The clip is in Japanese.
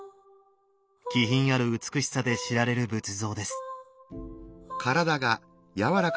気品ある美しさで知られる仏像です。